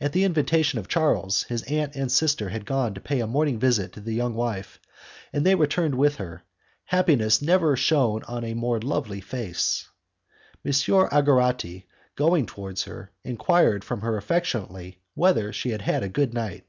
At the invitation of Charles, his aunt and his sister had gone to pay a morning visit to the young wife, and they returned with her. Happiness never shone on a more lovely face! M. Algarotti, going towards her, enquired from her affectionately whether she had had a good night.